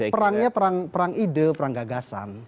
perangnya perang perang ide perang gagasan